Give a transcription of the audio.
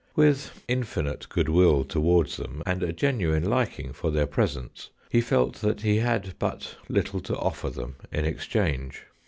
With infinite good will towards them, and a genuine liking for their presence, he felt that he had but little to offer them in exchange.